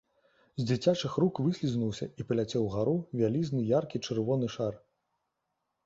З дзіцячых рук выслізнуўся і паляцеў угару вялізны яркі чырвоны шар.